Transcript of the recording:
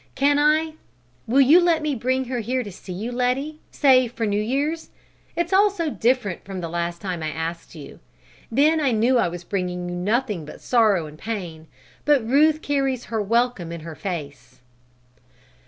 Can I will you let me bring her here to see you, Letty, say for New Year's? It's all so different from the last time I asked you. Then I knew I was bringing you nothing but sorrow and pain, but Ruth carries her welcome in her face."